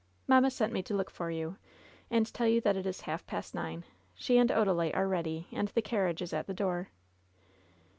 "Mamma sent me to look for you, and tell you that it is half past nine. She and Odalite are ready, and the carriage is at the door."